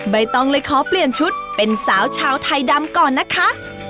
ใบตองเลยขอเปลี่ยนชุดเป็นสาวชาวไทยดำก่อนนะคะ